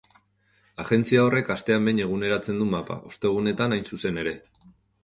Agentzia horrek astean behin eguneratzen du mapa, ostegunetan, hain zuzen ere.